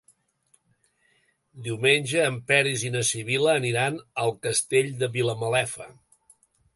Diumenge en Peris i na Sibil·la aniran al Castell de Vilamalefa.